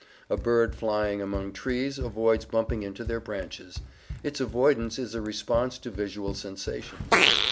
A bird flying among trees avoids bumping into their branches; its avoidance is a response to visual sensations.